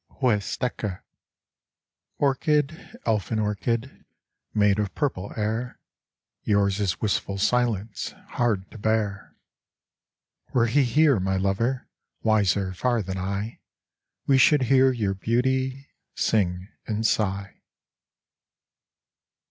Huasteca Orchid, elfin orchid Made of purple air, Yours is wistful silence Hard to bear. Were he here, my lover, Wiser far than I, We should hear your beauty Sing and sigh.